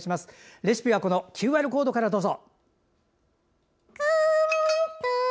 レシピはこのＱＲコードからどうぞ。